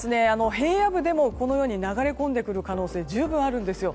平野部でも流れ込んでくる可能性が十分にあるんですよ。